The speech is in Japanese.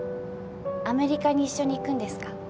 アメリカに一緒に行くんですか？